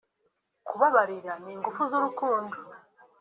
kubabarira n’ingufu z’urukundo